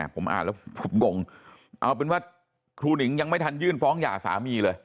ผมอ่านแล้วผมงงเอาเป็นว่าครูหนิงยังไม่ทันยื่นฟ้องหย่าสามีเลย